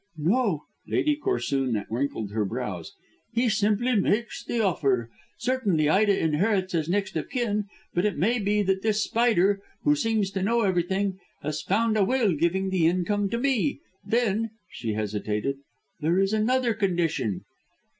"No." Lady Corsoon wrinkled her brows. "He simply makes the offer. Certainly Ida inherits as next of kin, but it may be that this Spider who seems to know everything has found a will giving the income to me. Then," she hesitated, "there is another condition."